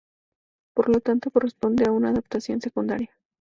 Por lo tanto corresponde a una adaptación secundaria.